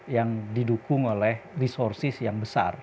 yang didukung oleh resources yang besar